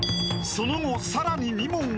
［その後さらに２問を消化］